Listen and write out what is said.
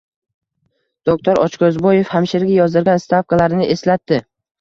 Doktor Ochko`zboev hamshiraga yozdirgan stavkalarni eslatdi